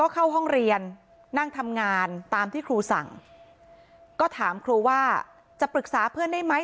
เข้าห้องเรียนนั่งทำงานตามที่ครูสั่งก็ถามครูว่าจะปรึกษาเพื่อนได้ไหม